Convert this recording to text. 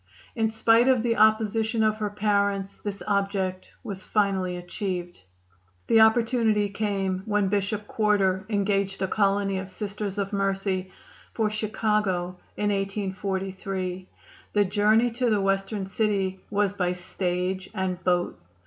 In spite of the opposition of her parents this object was finally achieved. The opportunity came when Bishop Quarter engaged a colony of Sisters of Mercy for Chicago in 1843. The journey to the Western city was by stage and boat.